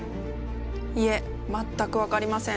いえ全く分かりません。